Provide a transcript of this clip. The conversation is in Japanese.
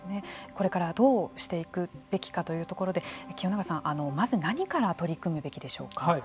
これからどうしていくべきかというところで清永さん、まず何から取り組むべきでしょうか。